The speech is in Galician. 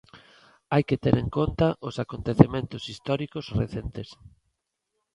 Hai que ter en conta os acontecementos históricos recentes.